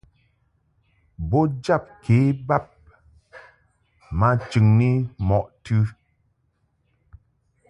Bo jab ke bab ma chɨŋni mɔʼ tɨ.